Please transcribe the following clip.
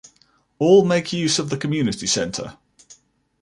All make use of the Community Centre.